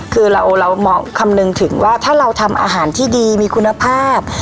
คือเรามองคำนึงถึงว่าถ้าเราทำอาหารที่ดีมีคุณภาพ